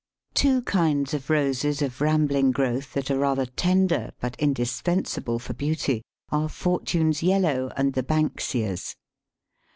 Two kinds of Roses of rambling growth that are rather tender, but indispensable for beauty, are Fortune's Yellow and the Banksias.